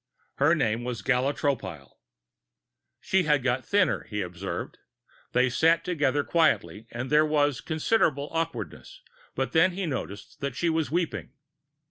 Her name was Gala Tropile. She had got thinner, he observed. They sat together quietly and there was considerable awkwardness, but then he noticed that she was weeping.